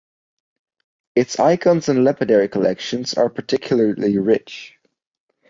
Its icons and lapidary collections are particularly rich.